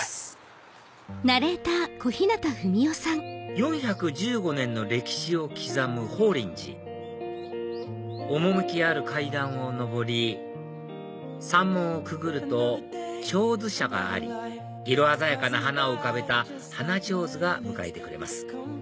４１５年の歴史を刻む法輪寺趣ある階段を上り山門をくぐると手水舎があり色鮮やかな花を浮かべた花手水が迎えてくれます